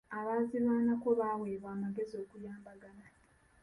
Abaazirwanako baweebwa amagezi okuyambagana.